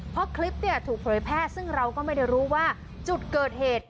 เพราะคลิปเนี่ยถูกเผยแพร่ซึ่งเราก็ไม่ได้รู้ว่าจุดเกิดเหตุ